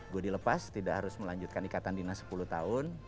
gue dilepas tidak harus melanjutkan ikatan dinas sepuluh tahun